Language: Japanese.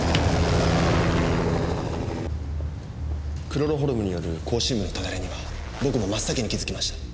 クロロホルムによる口唇部のただれには僕も真っ先に気づきました。